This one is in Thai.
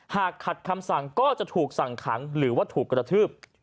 หากขัดคำสั่งก็จะถูกสั่งขังหรือว่าถูกกระทืบ